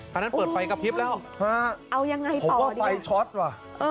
คล้านนั้นเปิดไฟกับทริปแล้วเอายังไงต่อดีกว่าผมว่าไฟช็อตวะ